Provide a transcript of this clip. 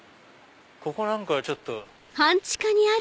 ここなんかはちょっと。